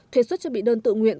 thuế suất cho bị đơn tự nguyện